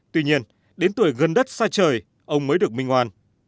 tuy nhiên đến tuổi gần đất xa trời ông mới được minh hoàn